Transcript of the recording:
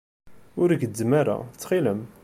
Ur gezzem ara, ttxil-m.